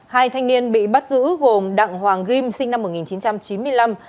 hai thanh niên bị bắt giữ gồm đặng hoàng kim sinh năm một nghìn chín trăm chín mươi năm